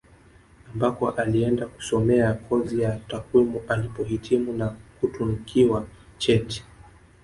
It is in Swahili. Ambako alienda kusomea kozi ya takwimu alipohitimu na kutunikiwa cheti